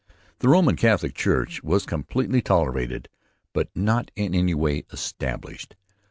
The Roman Catholic Church was to be completely tolerated but not in any way established.